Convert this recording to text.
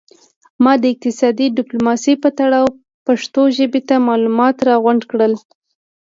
ما د اقتصادي ډیپلوماسي په تړاو پښتو ژبې ته معلومات را غونډ کړل